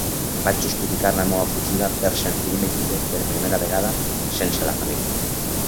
Vaig justificar la meua fugida per sentir-me lliure per primera vegada, sense la família.